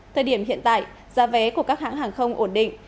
thời điểm hiện tại giá vé của các hãng hàng không ổn định